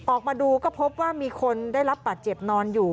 ออกมาดูก็พบว่ามีคนได้รับบาดเจ็บนอนอยู่